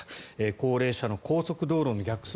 高齢者の高速道路の逆走